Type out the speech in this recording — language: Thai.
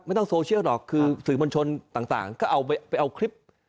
ไม่ต้องโซเชียลหรอกคือสื่อบัญชนต่างก็เอาไปเอาคลิป